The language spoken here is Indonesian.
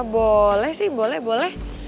boleh sih boleh boleh